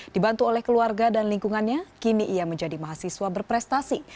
dibantu oleh keluarga dan lingkungannya kini ia menjadi mahasiswa berprestasi